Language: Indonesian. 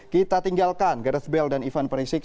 kita tinggalkan gareth bale dan ivan perisic